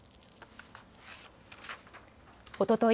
おととい